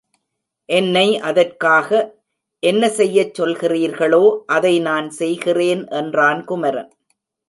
என்னை அதற்காக என்ன செய்யச் சொல்கிறீர்களோ, அதை நான் செய்கிறேன் என்றான் குமரன்.